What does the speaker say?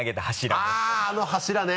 あぁあの柱ね。